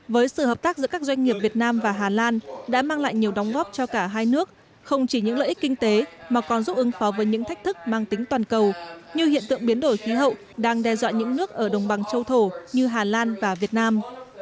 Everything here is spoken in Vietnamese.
với sự hợp tác giữa các doanh nghiệp việt nam và hà lan đã mang lại nhiều đóng góp cho cả hai nước không chỉ những lợi ích kinh tế mà còn giúp ứng phó với những thách thức mang tính toàn cầu như hiện tượng biến đổi khí hậu đang đe dọa những nước ở đồng bằng châu thổ như hà lan và việt nam